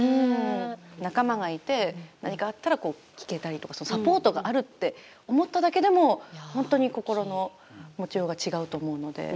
仲間がいて何かあったら聞けたりとかサポートがあるって思っただけでも、本当に心の持ちようが違うと思うので。